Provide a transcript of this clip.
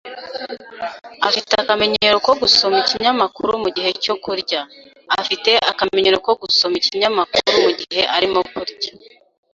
Afite akamenyero ko gusoma ikinyamakuru mugihe cyo kurya. Afite akamenyero ko gusoma ikinyamakuru mugihe arimo kurya.